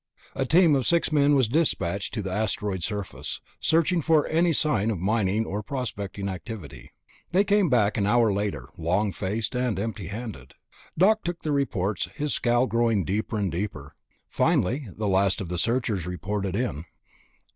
A team of six men was dispatched to the asteroid surface, searching for any sign of mining or prospecting activity. They came back an hour later, long faced and empty handed. Doc took their reports, his scowl growing deeper and deeper. Finally the last of the searchers reported in.